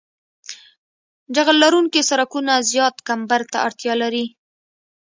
جغل لرونکي سرکونه زیات کمبر ته اړتیا لري